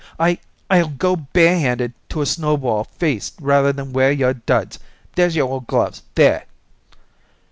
I I'll go barehanded to a snowball feast rather than wear your duds. There's your old gloves there!"